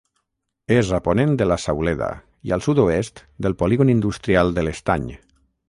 És a ponent de la Sauleda i al sud-oest del Polígon industrial de l'Estany.